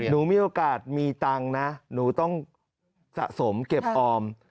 มีโอกาสมีตังค์นะหนูต้องสะสมเก็บออม